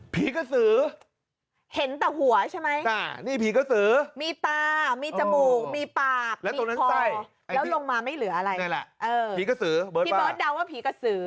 ผีกสือมีตามีจมูกมีปากมีคอแล้วลงมาไม่เหลืออะไรผีกสือเบิร์ตดัวว่าผีกสือ